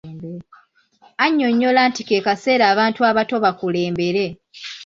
Annyonyola nti ke kaseera abantu abato bakulembere.